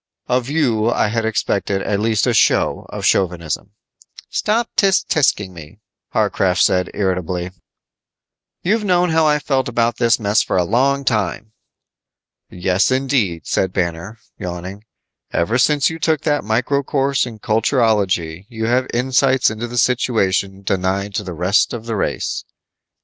Of you I had expected at least a show of chauvinism." "Stop _tch tch_ing me," Warcraft said irritably. "You've known how I felt about this mess for a long time." "Yes, indeed," said Banner, yawning, "ever since you took that micro course in culturology you have insights into the situation denied to the rest of the race."